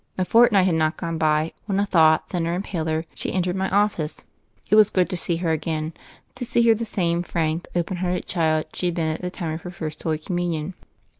A fortnight had not gone by, when a thought thinner and paler, she entered my of fice. It was good to see her again — to see her the same frank, open hearted child she had been at the time of her First Holy Communion.